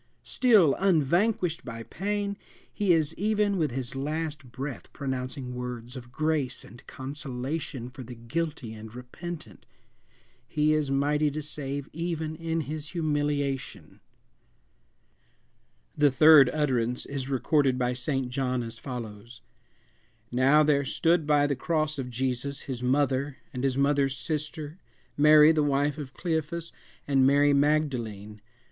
Still unvanquished by pain, he is even with his last breath pronouncing words of grace and consolation for the guilty and repentant! He is mighty to save even in his humiliation! The third utterance is recorded by St. John as follows: "Now there stood by the cross of Jesus his mother, and his mother's sister, Mary the wife of Cleophas, and Mary Magdalene.